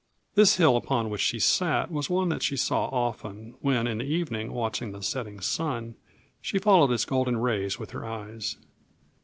This hill upon which she sat was one that she saw often, when in the evening, watching the setting sun, she followed its golden rays with her eyes.